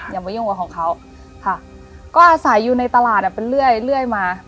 อย่ามายุ่งกับของเขาค่ะก็อาศัยอยู่ในตลาดเป็นเรื่อยมา